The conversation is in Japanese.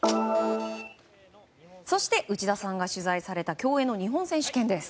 そして内田さんが取材された競泳の日本選手権です。